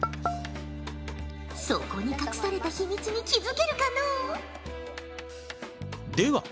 そこに隠された秘密に気付けるかのう。